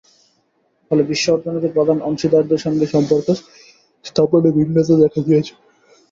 ফলে বিশ্ব অর্থনীতির প্রধান অংশীদারদের সঙ্গে সম্পর্ক স্থাপনে ভিন্নতা দেখা দিয়েছে।